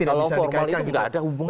kalau formal itu nggak ada hubungan